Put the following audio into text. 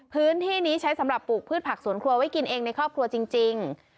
พื้นที่นี้ใช้สำหรับปลูกพืชผักสวนครัวไว้กินเองในครอบครัวจริง